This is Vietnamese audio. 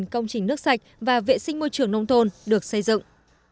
một trăm hai mươi năm công trình nước sạch và vệ sinh môi trường nông thôn được xây dựng